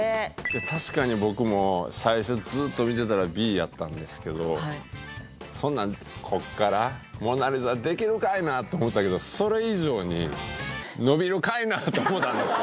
確かに僕も最初ずっと見てたらＢやったんですけどそんなこっから『モナリザ』できるかいなって思ったけどそれ以上に。と思ったんですよ。